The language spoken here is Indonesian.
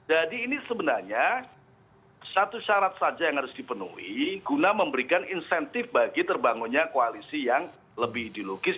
ini sebenarnya satu syarat saja yang harus dipenuhi guna memberikan insentif bagi terbangunnya koalisi yang lebih ideologis